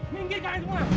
menggigil kami semua